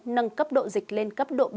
nâng cấp độ dịch lên cấp độ ba